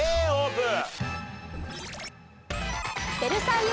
Ｂオープン！